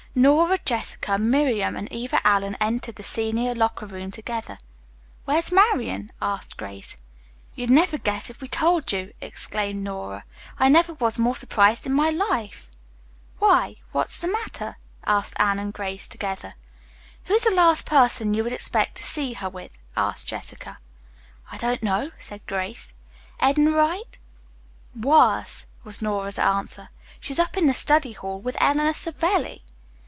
Nora, Jessica, Miriam and Eva Allen entered the senior locker room together. "Where's Marian?" asked Grace. "You'd never guess if we told you," exclaimed Nora. "I never was more surprised in my life." "Why? What's the matter?" asked Anne and Grace together. "Who is the last person you'd expect to see her with?" asked Jessica. "I don't know," said Grace. "Edna Wright?" "Worse," was Nora's answer. "She's up in the study hall with Eleanor Savelli."